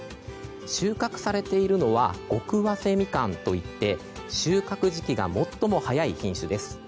収穫されているのは極早生みかんといって収穫時期が最も早い品種です。